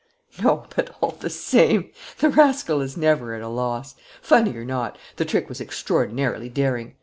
"No, but, all the same, the rascal is never at a loss. Funny or not, the trick was extraordinarily daring.